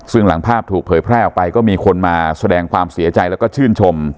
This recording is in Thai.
ซึ่งหลังภาพถูกเผยแพร่ออกไปก็มีคนมาแสดงความเสียใจแล้วก็ชื่นชม